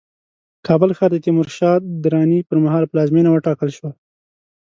کابل ښار د تیمورشاه دراني پرمهال پلازمينه وټاکل شوه